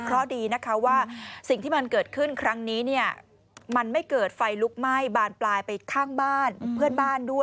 เพราะดีนะคะว่าสิ่งที่มันเกิดขึ้นครั้งนี้เนี่ยมันไม่เกิดไฟลุกไหม้บานปลายไปข้างบ้านเพื่อนบ้านด้วย